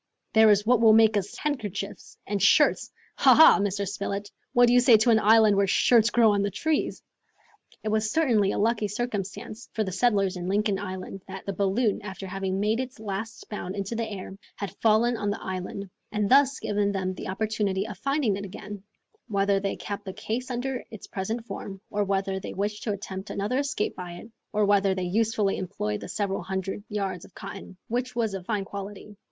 There is what will make us handkerchiefs and shirts! Ha, ha, Mr. Spilett, what do you say to an island where shirts grow on the trees?" It was certainly a lucky circumstance for the settlers in Lincoln Island that the balloon, after having made its last bound into the air, had fallen on the island and thus given them the opportunity of finding it again, whether they kept the case under its present form, or whether they wished to attempt another escape by it, or whether they usefully employed the several hundred yards of cotton, which was of fine quality.